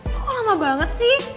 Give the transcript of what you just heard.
kok lama banget sih